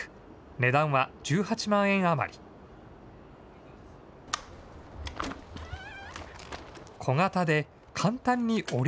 値段は１８万円余り。